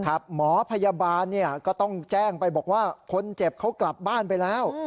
หมอพยาบาลก็ต้องแจ้งไปบอกว่าคนเจ็บเขากลับบ้านไปแล้ว